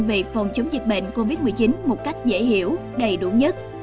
về phòng chống dịch bệnh covid một mươi chín một cách dễ hiểu đầy đủ nhất